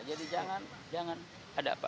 jadi jangan jangan ada apa apa